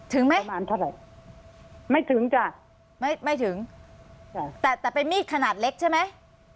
ประมาณเท่าไหร่ไม่ถึงจ้ะไม่ไม่ถึงจ้ะแต่แต่เป็นมีดขนาดเล็กใช่ไหม